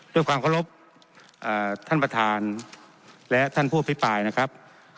ด้วยความเคารพท่านประธานและท่านผู้อภิปรายนะครับ